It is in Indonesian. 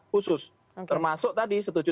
khusus termasuk tadi setuju